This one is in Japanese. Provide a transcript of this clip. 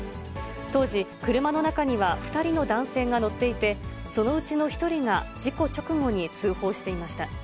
当時、車の中には２人の男性が乗っていて、そのうちの１人が事故直後に通報していました。